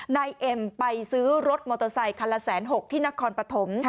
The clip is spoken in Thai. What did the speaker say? นายเอ็มไปซื้อรถมอเตอร์ไซคันละ๑๖๐๐ที่นครปฐม